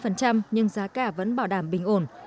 nhưng giá cả vẫn bảo đảm bình ổn